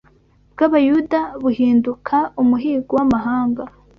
bw’Abayuda buhinduka umuhīgo w’amahanga